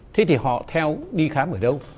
thế thì họ theo đi khám ở đâu